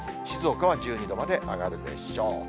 静岡は１２度まで上がるでしょう。